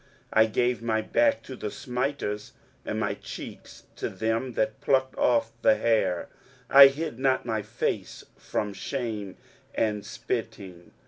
23:050:006 I gave my back to the smiters, and my cheeks to them that plucked off the hair: I hid not my face from shame and spitting.